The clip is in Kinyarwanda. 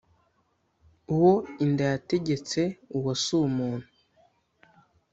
uwo inda yategetse uwo si umuntu.